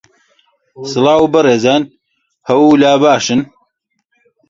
سڵاو بەڕێزان، هەوو لا باشن